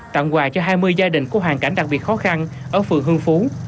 tặng quà cho hai mươi gia đình có hoàn cảnh đặc biệt khó khăn ở phường hương phú